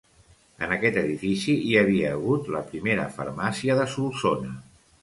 En aquest edifici hi havia hagut la primera farmàcia de Solsona.